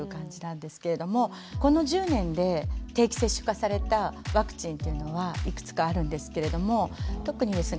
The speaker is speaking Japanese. この１０年で定期接種化されたワクチンというのはいくつかあるんですけれども特にですね